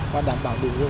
và đảm bảo đủ nguồn